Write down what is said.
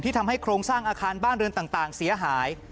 ทำให้โครงสร้างอาคารบ้านเรือนต่างเสียหาย